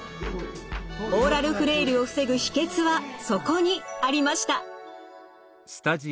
オーラルフレイルを防ぐ秘けつはそこにありました。